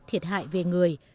thiệt hại về người